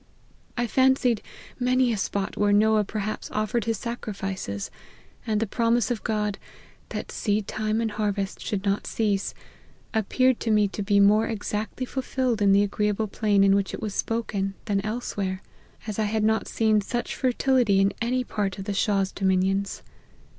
I fancied many a spot where Noah perhaps offered his sacrifices ; and the promise of God, ' that seed time and harvest should not cease,' appeared to me to be more exactly fulfilled in the agreeable plain in which it was spoken, than elsewhere ; as I had not seen such fertility in any part of the Shah's dominions.